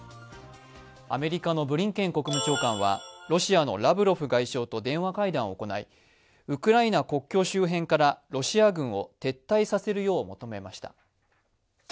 アメリカのブリンケン国務長官はロシアのラブロフ外相と電話会談を行いウクライナ国境周辺からロシア軍を撤退させるよう求めました。